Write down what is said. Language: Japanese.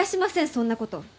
そんなこと。